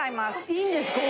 いいんですか？